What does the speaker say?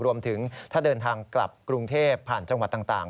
รวมถึงถ้าเดินทางกลับกรุงเทพผ่านจังหวัดต่าง